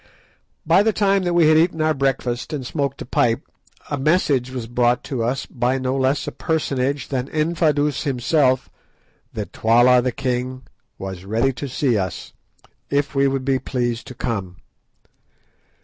By the time that we had eaten our breakfast, and smoked a pipe, a message was brought to us by no less a personage than Infadoos himself that Twala the king was ready to see us, if we would be pleased to come.